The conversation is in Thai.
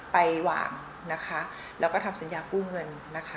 ไปวางนะคะแล้วก็ทำสัญญากู้เงินนะคะ